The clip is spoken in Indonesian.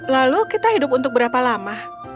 lalu kita hidup untuk berapa lama